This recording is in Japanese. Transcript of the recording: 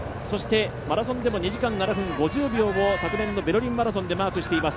マラソンでも２時間７分５０秒を昨年のベルリンマラソンでマークしています。